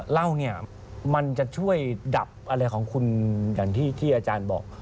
เหล้าเนี่ยมันจะช่วยดับอะไรของคุณอย่างที่อาจารย์บอก